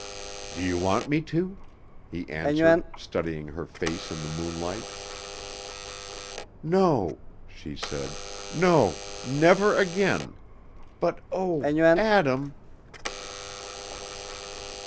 "Do you want me to?" he answered, studying her face in the moonlight. "No," she said. "No, never again, but, oh, Adam!"